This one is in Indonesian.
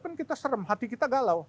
kan kita serem hati kita galau